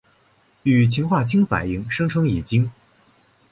与氰化氢反应生成乙腈。